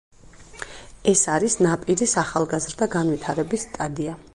ეს არის ნაპირის ახალგაზრდა განვითარების სტადია.